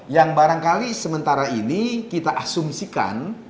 yang barangkali sementara ini kita asumsikan